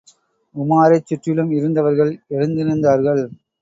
உமாரைச்சுற்றிலும் இருந்தவர்கள் எழுந்திருந்தார்கள்.